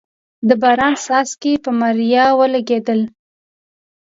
د باران څاڅکي پر ماريا ولګېدل.